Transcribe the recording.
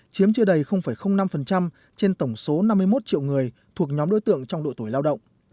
chiếm chưa đầy năm trên tổng số năm mươi một triệu người thuộc nhóm đối tượng trong đội tổ chức